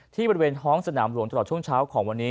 บริเวณท้องสนามหลวงตลอดช่วงเช้าของวันนี้